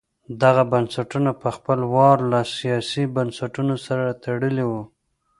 دغه بنسټونه په خپل وار له سیاسي بنسټونو سره تړلي وو.